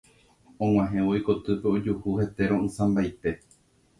Og̃uahẽvo ikotýpe ojuhu hete ro'ysãmbaite.